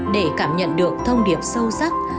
để cảm nhận được thông điệp sâu sắc